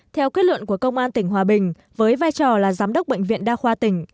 theo kết luận của công an tỉnh hòa bình với vai trò là giám đốc bệnh viện đa khoa tỉnh